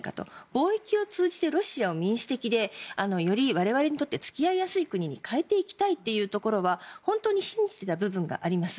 貿易を通じてロシアを民主的でより我々にとって付き合いやすい国に変えていきたいというところは本当に信じていた部分があります。